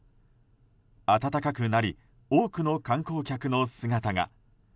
暖かくなり多くの観光客の姿が。